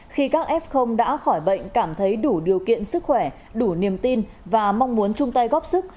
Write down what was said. khi các f đã khỏi bệnh cảm thấy đủ điều kiện sức khỏe đủ niềm tin và mong muốn chung tay góp sức